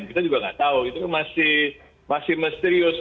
kita juga nggak tahu itu kan masih misterius